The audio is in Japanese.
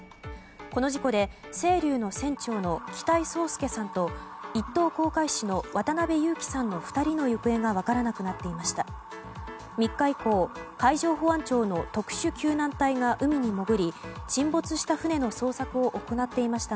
この事故で「せいりゅう」の船長の北井宗祐さんと一等航海士の渡辺侑樹さんの２人の行方が分からなくなっていました。